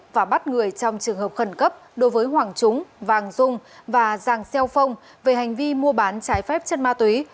và bắt người trong trường hợp khẩn cấp đối với hoàng chúng vàng dung và giàng xeo phong về hành vi mua bán trái phép chất ma túy